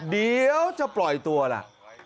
เดี๋ยวจะปล่อยตัวล่ะ